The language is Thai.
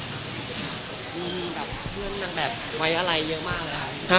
มีแบบเพื่อนมันแบบไว้อะไรเยอะมากนะครับ